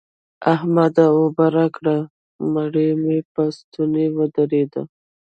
احمده! اوبه راکړه؛ مړۍ مې په ستونې ودرېده.